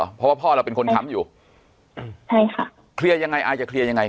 เพราะว่าพ่อเราเป็นคนค้ำอยู่ใช่ค่ะเคลียร์ยังไงอายจะเคลียร์ยังไง